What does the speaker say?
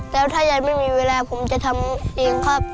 แล้วถ้ายายไม่มีเวลาผมจะทำเองครับ